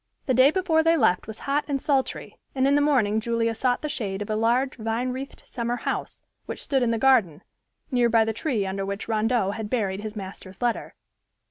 The day before they left was hot and sultry, and in the morning Julia sought the shade of a large vine wreathed summer house, which stood in the garden, near by the tree under which Rondeau had buried his master's letter.